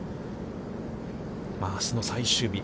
あすの最終日。